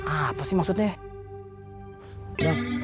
apa sih maksudnya